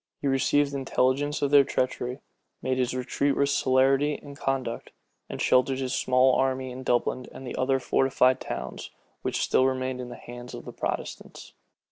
He received intelligence of their treachery, made his retreat with celerity and conduct, and sheltered his small army in Dublin and the other fortified towns, which still remained in the hands of the Protestants.